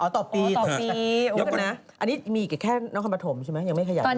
อ๋อต่อปีอันนี้มีแค่น้องคำปฐมใช่ไหมยังไม่ขยับ